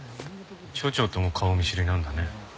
町長とも顔見知りなんだね。